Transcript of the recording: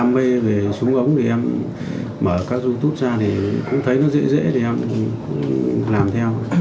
mở các youtube ra thì cũng thấy nó dễ dễ thì em cũng làm theo